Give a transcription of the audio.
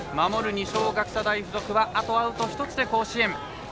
二松学舎大付属はあとアウト１つで甲子園。